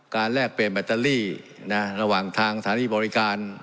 แลกเปลี่ยนแบตเตอรี่ระหว่างทางสถานีบริการ